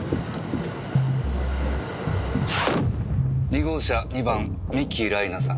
２号車２番三樹ライナさん。